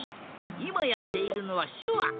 いまやっているのはしゅわ。